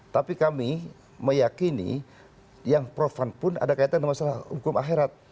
tapi kami meyakini yang profan pun ada kaitan dengan masalah hukum akhirat